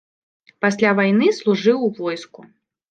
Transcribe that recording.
Пасля вайны служыў у войску.